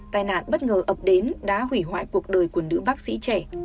tài nạn bất ngờ ập đến đã hủy hoại cuộc đời của nữ bác sĩ trẻ